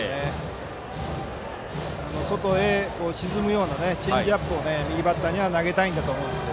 外へ沈むようなチェンジアップを右バッターには投げたいんだと思います。